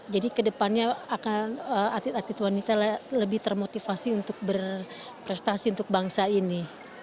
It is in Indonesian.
jadi ke depannya akan atlet atlet wanita lebih termotivasi untuk berprestasi untuk bangsa ini